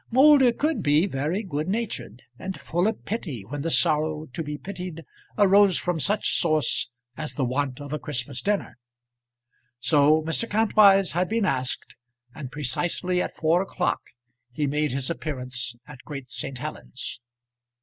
Moulder could be very good natured, and full of pity when the sorrow to be pitied arose from some such source as the want of a Christmas dinner. So Mr. Kantwise had been asked, and precisely at four o'clock he made his appearance at Great St. Helens.